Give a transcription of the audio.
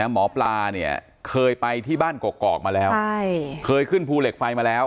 หมอปลาเนี่ยเคยไปที่บ้านกอกมาแล้วเคยขึ้นภูเหล็กไฟมาแล้ว